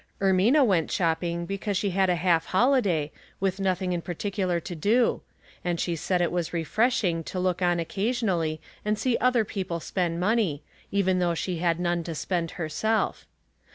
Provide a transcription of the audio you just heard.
Ermina went shopping because she had a half holiday, with nothing in particular to do ; and she said it was refreshing to look on occasionally and see other people spend money, even though she had none to spend herself.